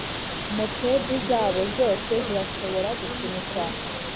moped zabo zose zirashobora gusunikwa.